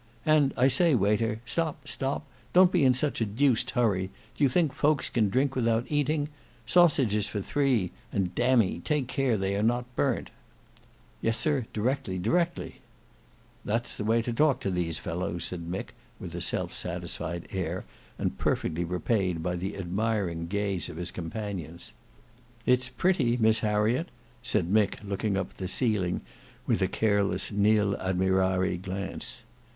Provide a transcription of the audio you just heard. And I say waiter, stop, stop, don't be in such a deuced hurry; do you think folks can drink without eating;—sausages for three; and damme, take care they are not burnt." "Yes, sir, directly, directly." "That's the way to talk to these fellows," said Mick with a self satisfied air, and perfectly repaid by the admiring gaze of his companions. "It's pretty Miss Harriet," said Mick looking up at the ceiling with a careless nil admirari glance.